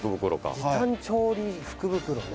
「時短調理福袋ね」